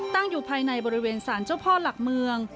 ตั้งอยู่ภายในบริเวณสารเจ้าพ่อหลักเมือง